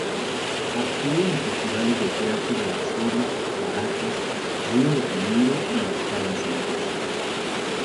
Actuó en festivales de teatro de Varsovia, Caracas, Río de Janeiro y Estados Unidos.